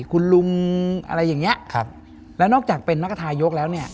คุณลุงอะไรอย่างเงี้ยครับแล้วนอกจากเป็นนรกทายกแล้วเนี่ย